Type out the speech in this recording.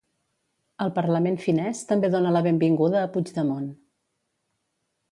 El Parlament finès també dona la benvinguda a Puigdemont.